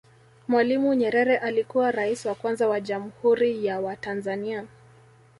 Mwalimu Nyerere alikuwa Rais wa kwanza wa Jamhuri ya wa Tanzania